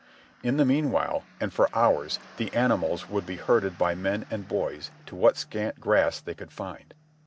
In the meanwhile, and for hours, the animals would be herded by men and boys to what scant grass they could find.